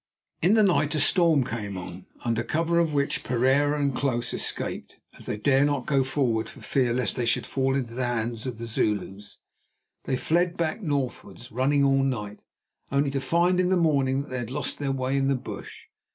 In the night a storm came on, under cover of which Pereira and Klaus escaped. As they dared not go forward for fear lest they should fall into the hands of the Zulus, they fled back northwards, running all night, only to find in the morning that they had lost their way in the bush.